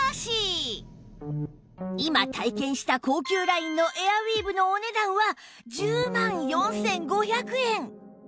今体験した高級ラインのエアウィーヴのお値段は１０万４５００円